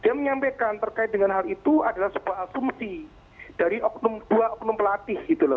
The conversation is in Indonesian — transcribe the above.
dia menyampaikan terkait dengan hal itu adalah sebuah asumsi dari oknum dua oknum pelatih gitu loh